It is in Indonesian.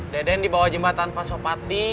deden di bawah jembatan pasopati